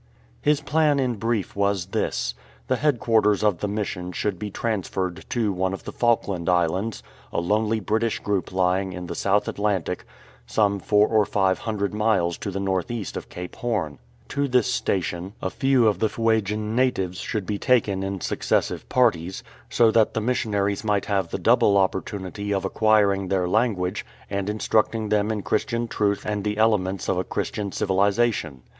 His plan in brief was this. The headquarters of the Mission should be transferred to one of the Falkland Islands, a lonely British group lying in the South Atlantic, some four or five hundred miles to the north east of Cape Horn. To this station a few of the Fuegian natives 256 THE SCHOONER should be taken in successive parties, so that the mission aries might have the double opportunity of acquiring their language and instructing them in Christian truth and the elements of a Christian civilization.